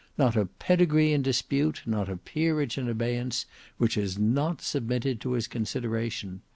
Not a pedigree in dispute, not a peerage in abeyance, which is not submitted to his consideration.